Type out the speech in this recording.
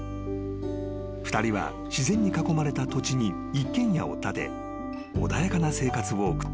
［２人は自然に囲まれた土地に一軒家を建て穏やかな生活を送っていた］